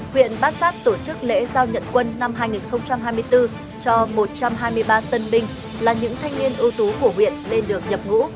huyện bát sát tổ chức lễ giao nhận quân năm hai nghìn hai mươi bốn cho một trăm hai mươi ba tân binh là những thanh niên ưu tú của huyện lên được nhập ngũ